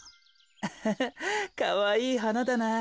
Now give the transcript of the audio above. アハハかわいいはなだな。